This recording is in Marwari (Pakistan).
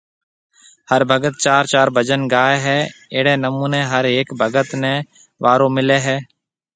هر ڀگت چار چار بجن گائيَ هيَ اهڙيَ نمونيَ هر هيڪ ڀگت نيَ وارو مليَ هيَ